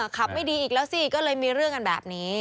ขับไม่ดีอีกแล้วสิก็เลยมีเรื่องกันแบบนี้